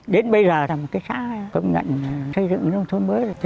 đến bây giờ là một cái xã công nhận xây dựng nước thôn mới